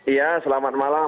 iya selamat malam